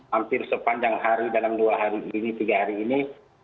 hampir sepanjang hari dalam dua hari ini tiga hari ini